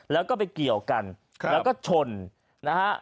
แล้วก็ไปเกี่ยวกันแล้วก็ชนนะฮะ